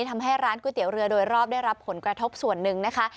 ทำให้ร้านก๋วยเตี๋ยวเรือโดยรอบได้รับผลกระทบส่วนหนึ่งนะคะ